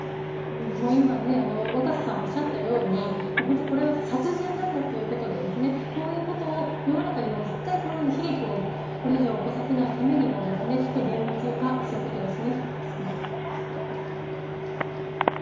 今、若狭さんがおっしゃったようにこれは殺人なんだということでこういうことを世の中に絶対こういう悲劇をこれ以上起こさせないためにも厳罰化することです。